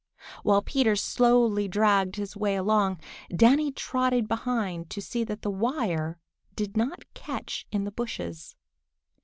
While Peter slowly dragged his way along, Danny trotted behind to see that the wire did not catch on the bushes.